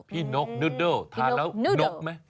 พี่นกนูดเดิลทานแล้วนกไหม